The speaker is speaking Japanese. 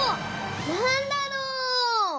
なんだろう？